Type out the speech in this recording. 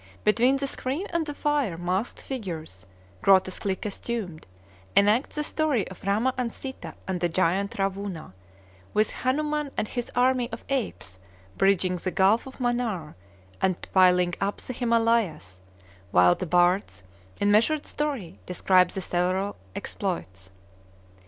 Between the screen and the fire masked figures, grotesquely costumed, enact the story of Rama and Sita and the giant Rawuna, with Hanuman and his army of apes bridging the Gulf of Manaar and piling up the Himalayas, while the bards, in measured story, describe the several exploits.